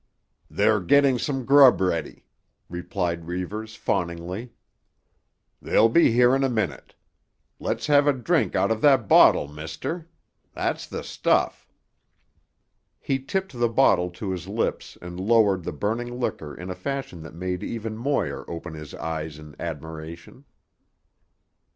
"They're getting some grub ready," replied Reivers fawningly. "They'll be here in a minute. Let's have a drink out of that bottle, mister. That's the stuff." He tipped the bottle to his lips and lowered the burning liquor in a fashion that made even Moir open his eyes in admiration.